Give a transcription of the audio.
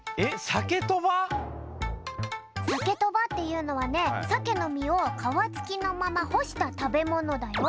サケとばっていうのはねサケの身をかわつきのまま干した食べものだよ。